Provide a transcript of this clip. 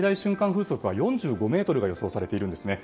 風速は４５メートルが予想されているんですね。